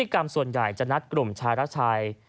คนใหญ่จะนัดกลุ่มชายรักชาย